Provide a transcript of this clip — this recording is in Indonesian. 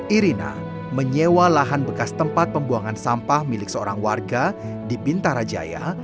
irina menyewa lahan bekas tempat pembuangan sampah milik seorang warga di bintarajaya